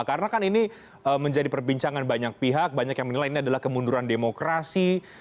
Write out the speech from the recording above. karena kan ini menjadi perbincangan banyak pihak banyak yang menilai ini adalah kemunduran demokrasi